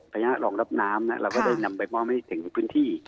ไปร้องรับน้ำเราก็ได้นำไปบอกว่าไม่ถึงพื้นที่